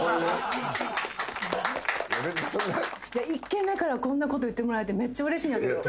１軒目からこんなこと言ってもらえてめっちゃうれしいんやけど。